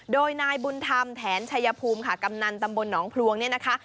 โดยนายบุญธรรมแถนชัยภูมิค่ะกำนันตำบลหนองพลวงเนี่ยนะคะ